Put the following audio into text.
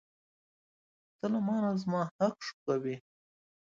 ته له مانه زما حق شوکوې.